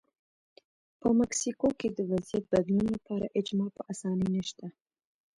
په مکسیکو کې د وضعیت بدلون لپاره اجماع په اسانۍ نشته.